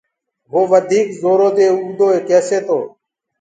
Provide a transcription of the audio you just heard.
وو وڌيڪ زورو دي اوگدوئي ڪيسي تو